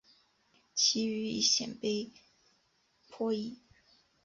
其语与鲜卑颇异。